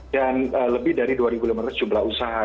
dan lebih dari dua lima ratus jumlah usaha